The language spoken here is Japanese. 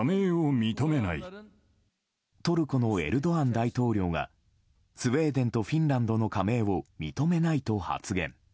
トルコのエルドアン大統領がスウェーデンとフィンランドの加盟を認めないと発言。